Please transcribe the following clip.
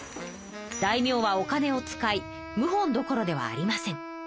大名はお金を使い謀反どころではありません。